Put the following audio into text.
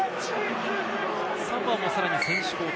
サモアもさらに選手交代。